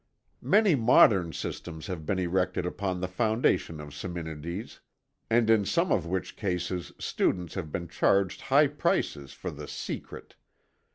Many modern systems have been erected upon the foundation of Simonides and in some of which cases students have been charged high prices "for the secret."